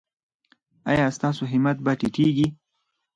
ایا ستاسو همت به ټیټیږي؟